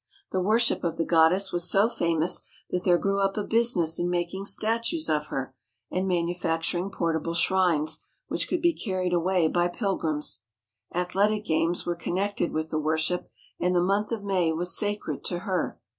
The worship of the goddess was so famous that there grew up a business in making statues of her and manufacturing portable shrines which could be carried away by pilgrims. Ath letic games were connected with the worship, and the month of May was sacred to her.